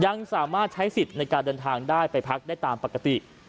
ยังสามารถใช้สิทธิ์ในการเดินทางได้ไปพักได้ตามปกติ